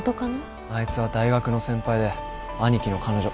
あいつは大学の先輩で兄貴の彼女。